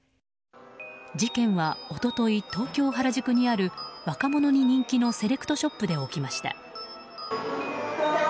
事件は一昨日東京・原宿にある若者に人気のセレクトショップで起きました。